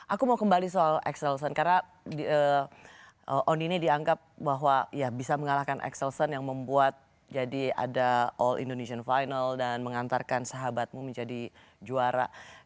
aku mau kembali soal excelson karena on ini dianggap bahwa ya bisa mengalahkan excelson yang membuat jadi ada all indonesian final dan mengantarkan sahabatmu menjadi juara